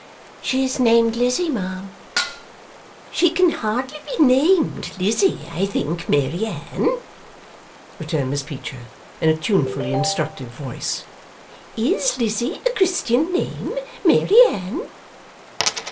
'She is named Lizzie, ma'am.' 'She can hardly be named Lizzie, I think, Mary Anne,' returned Miss Peecher, in a tunefully instructive voice. 'Is Lizzie a Christian name, Mary Anne?